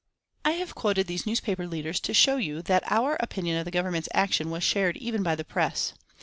I have quoted these newspaper leaders to show you that our opinion of the Government's action was shared even by the press.